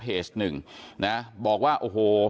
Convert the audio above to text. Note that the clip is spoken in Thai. เพจหนึ่งนะฮะบอกว่าโอ้โห